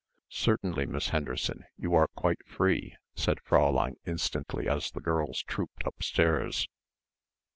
"Certainly, Miss Henderson, you are quite free," said Fräulein instantly as the girls trooped upstairs.